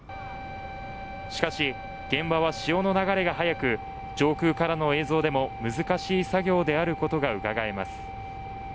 しかし、現場は潮の流れが速く上空からの映像でも難しい作業であることがうかがえます。